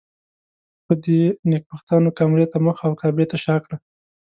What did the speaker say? خو دې نېکبختانو کامرې ته مخ او کعبې ته شا کړه.